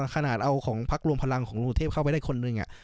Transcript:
ขนาดเอาของภักดิ์รวมพลังของคุณสุทธิพย์เข้าไปได้คนหนึ่งอ่ะ